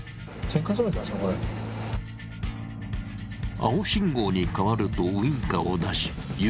青信号に変わるとウインカーを出しＵターン。